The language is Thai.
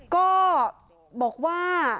ก็บอกว่า